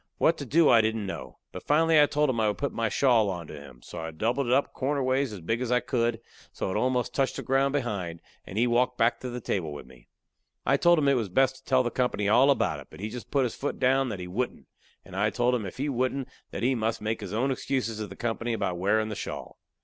What to do I didn't know. But finally I told him I would put my shawl onto him. So I doubled it up corner ways as big as I could, so it almost touched the ground behind, and he walked back to the table with me. I told him it was best to tell the company all about it, but he just put his foot down that he wouldn't, and I told him if he wouldn't that he must make his own excuses to the company about wearin' the shawl.